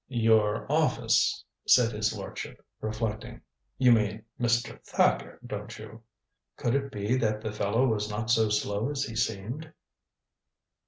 "Your office," said his lordship, reflecting. "You mean Mr. Thacker, don't you?" Could it be that the fellow was not so slow as he seemed?